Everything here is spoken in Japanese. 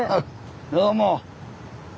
どうも。